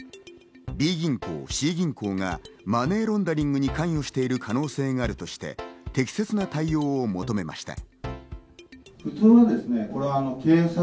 Ｂ銀行、Ｃ銀行がマネーロンダリングに関与している可能性があるとして、適切な対応を求めました。